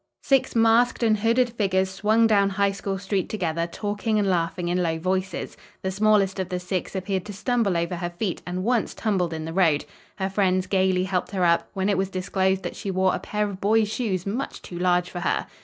Six masked and hooded figures swung down High School Street together, talking and laughing in low voices. The smallest of the six appeared to stumble over her feet, and once tumbled in the road. Her friends gayly helped her up, when it was disclosed that she wore a pair of boy's shoes much too large for her.